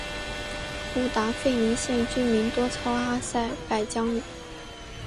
胡达费林县居民多操阿塞拜疆语。